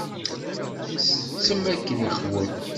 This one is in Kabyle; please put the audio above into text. Tsettem akken iqwem?